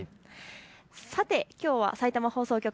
さて、きょうはさいたま放送局